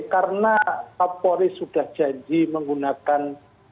karena pak polri sudah janji menggunakan